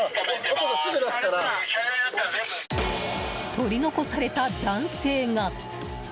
取り残された男性が。